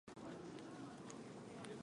栃木県那珂川町